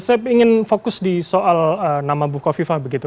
saya ingin fokus di soal nama bu kofi pak begitu